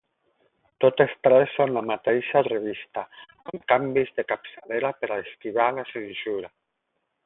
Totes tres són la mateixa revista, amb canvis de capçalera per a esquivar la censura.